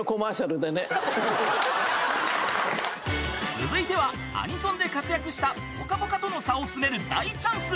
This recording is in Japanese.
［続いてはアニソンで活躍したぽかぽかとの差を詰める大チャンス］